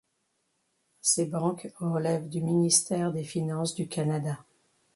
Ces banques relèvent du ministère des Finances du Canada.